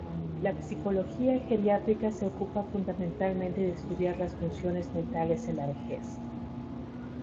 La psicología geriátrica se ocupa fundamentalmente de estudiar las funciones mentales en la vejez.